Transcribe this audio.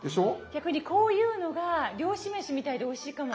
逆にこういうのが漁師めしみたいでおいしいかも。